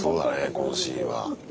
このシーンは。